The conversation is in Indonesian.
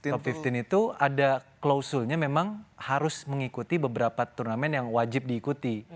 covid lima belas itu ada klausulnya memang harus mengikuti beberapa turnamen yang wajib diikuti